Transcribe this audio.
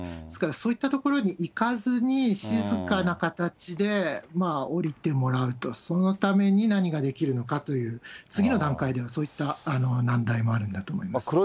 ですからそういったところに行かずに、静かな形でおりてもらうと、そのために何ができるのかという、次の段階ではそういった難題もあるんだと思います。